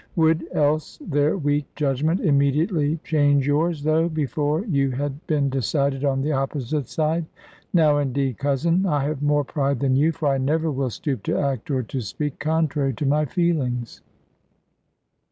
Would else their weak judgment immediately change yours, though, before, you had been decided on the opposite side? Now, indeed, cousin, I have more pride than you; for I never will stoop to act or to speak contrary to my feelings."